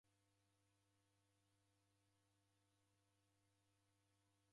W'adalima na ngombe